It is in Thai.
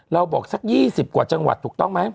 บอกสัก๒๐กว่าจังหวัดถูกต้องไหม